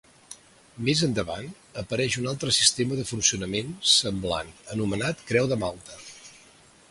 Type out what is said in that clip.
Més endavant, apareix un altre sistema de funcionament semblant anomenat Creu de Malta.